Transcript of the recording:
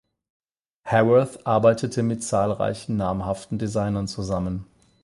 Haworth arbeitet mit zahlreichen namhaften Designern zusammen.